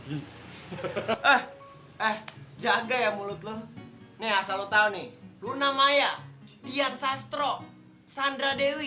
eh eh jaga ya mulut lo nih asal lo tau nih lo namanya dian sastro sandra dewi